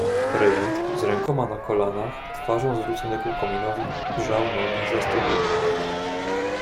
"Rejent, z rękoma na kolanach, twarzą, zwrócony ku kominowi, grzał nogi zastygłe."